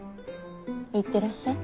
行ってらっしゃい。